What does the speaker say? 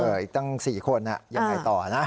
อีกตั้ง๔คนยังไงต่อนะ